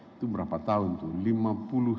itu berapa tahun tuh